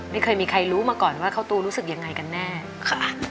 ไม่เคยมีใครรู้มาก่อนว่าข้าวตูรู้สึกยังไงกันแน่ค่ะ